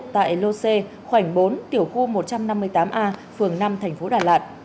tại lô c khoảnh bốn tiểu khu một trăm năm mươi tám a phường năm thành phố đà lạt